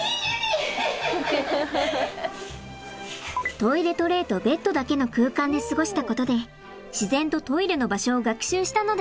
トイレトレーとベッドだけの空間で過ごしたことで自然とトイレの場所を学習したのでしょうか。